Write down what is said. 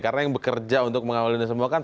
karena yang bekerja untuk mengawal ini semua kan